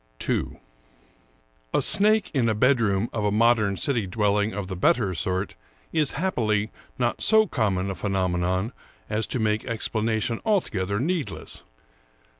II A SNAKE in a bedroom of a modern city dwelling of the better sort is, happily, not so common a phenomenon as to make explanation altogether needless.